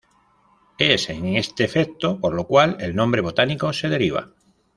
Es en este efecto por lo cual el nombre botánico se deriva.